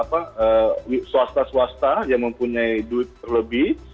apa swasta swasta yang mempunyai duit terlebih